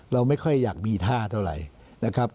เราไม่ค่อยอยากมีท่าเท่าไหร่นะครับ